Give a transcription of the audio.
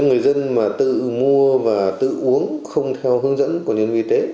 người dân mà tự mua và tự uống không theo hướng dẫn của nhân viên y tế